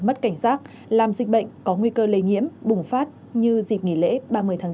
mất cảnh giác làm dịch bệnh có nguy cơ lây nhiễm bùng phát như dịp nghỉ lễ ba mươi tháng bốn